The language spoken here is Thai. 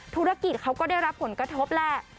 ธุรกิจเขาก็ได้รับผลกระทบแหละ